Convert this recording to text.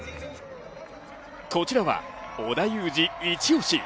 こちらは、織田裕二、一押し。